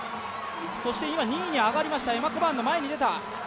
そして今２位に上がりました、エマ・コバーンが前に出た。